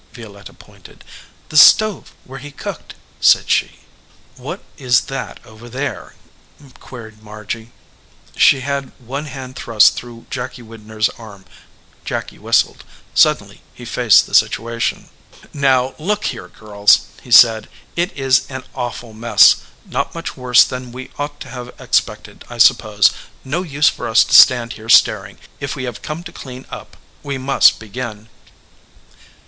Violetta pointed. "The stove where he cooked," said she. "What is that over there ?" queried Margy. She had one hand thrust through Jacky Widner s arm. Jacky whistled. Suddenly he faced the situa 36 THE OLD MAN OF THE FIELD tion. "Now look here, girls," he said, "it is an awful mess ; not much worse than we ought to have expected, I suppose. No use for us to stand here staring. If we have come to clean up, we must begin."